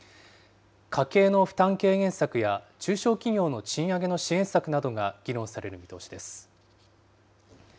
家計の負担軽減策や中小企業の賃上げの支援策などが議論される見通しです。